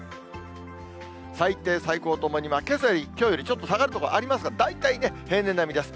最低、最高ともに、けさより、きょうよりちょっと下がる所ありますが、大体ね、平年並みです。